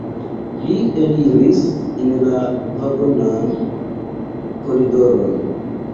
Li eliris en la vagonan koridoron.